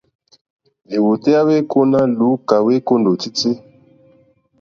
Lìwòtéyá wèêkóná lùúkà wêkóndòtítí.